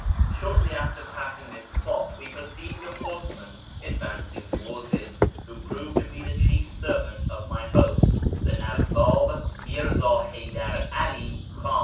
Shortly after passing this spot we perceived a horseman ad vancing towards us, who proved to be the chief servant of my host, the ISTawwab INIirza Haydar 'Ali Kh;in.